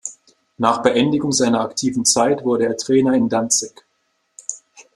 Nach Beendigung seiner aktiven Zeit wurde er Trainer in Danzig.